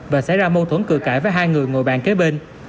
và xảy ra mâu thuẫn cự cãi với hai người ngồi bàn kế bên